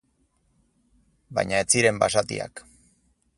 Baina ez ziren basatiak.